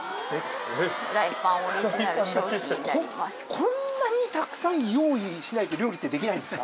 こんなにたくさん用意しないと料理ってできないんですか？